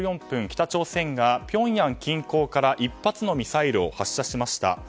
北朝鮮がピョンヤン近郊から１発のミサイルを発射しました。